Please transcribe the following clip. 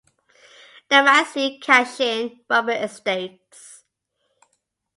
Namazie-Cashin rubber estates.